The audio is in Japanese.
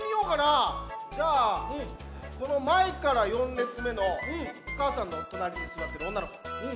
じゃあこのまえから４れつめのおかあさんのおとなりにすわってるおんなのこ。